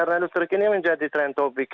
tian listrik ini menjadi trend topik